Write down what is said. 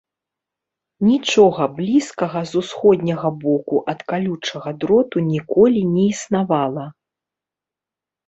Нічога блізкага з усходняга боку ад калючага дроту ніколі не існавала.